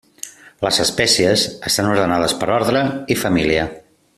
Les espècies estan ordenades per ordre i família.